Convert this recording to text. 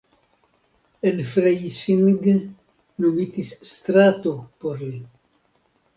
En Freising nomitis strato por li.